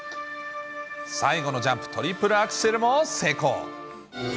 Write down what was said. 最後のジャンプ、トリプルアクセルも成功。